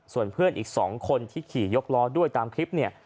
ส่วนเพื่อนอีก๒คนที่ขี่ยกล้อด้วยตามคลิปเนี่ย